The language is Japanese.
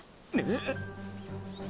えっ？